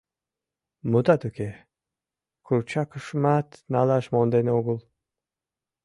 Мутат уке, курчакшымат налаш монден огыл.